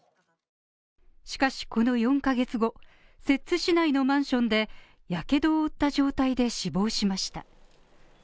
しかしこの４ヶ月後、摂津市内のマンションでやけどを負った状態で死亡しました。